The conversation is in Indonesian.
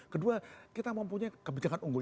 kedua kita mempunyai kebijakan unggul